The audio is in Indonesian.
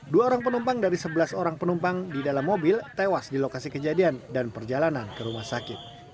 dua orang penumpang dari sebelas orang penumpang di dalam mobil tewas di lokasi kejadian dan perjalanan ke rumah sakit